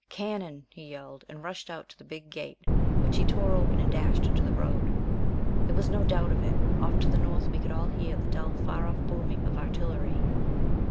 "Cannon," he yelled, and rushed out to the big gate, which he tore open, and dashed into the road. There was no doubt of it. Off to the north we could all hear the dull far off booming of artillery.